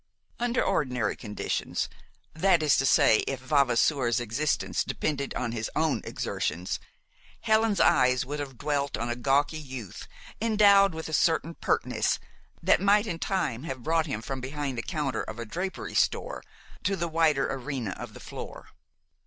Under ordinary conditions, that is to say, if Vavasour's existence depended on his own exertions, Helen's eyes would have dwelt on a gawky youth endowed with a certain pertness that might in time have brought him from behind the counter of a drapery store to the wider arena of the floor.